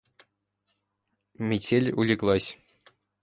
Метель улеглась.